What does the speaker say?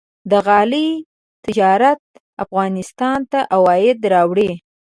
د غالۍ تجارت افغانستان ته عواید راوړي.